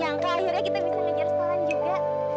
aku nggak nyangka akhirnya kita bisa menjelaskan juga